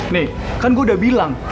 nih kan gue udah bilang